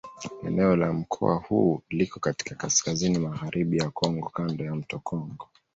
Eneo la mkoa huu liko katika kaskazini-magharibi ya Kongo kando ya mto Kongo.